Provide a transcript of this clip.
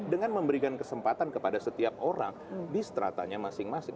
dengan memberikan kesempatan kepada setiap orang di stratanya masing masing